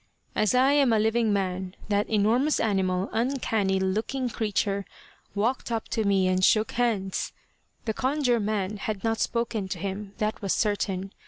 As I am a living man that enormous animal, uncanny looking creature, walked up to me and shook hands. The Conjure man had not spoken to him, that was certain.